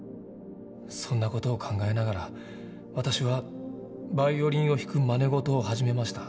そんな事を考えながら私はバイオリンを弾くまね事を始めました。